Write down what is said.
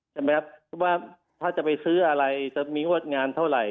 ใช่ไหมครับว่าถ้าจะไปซื้ออะไรจะมีงวดงานเท่าไหร่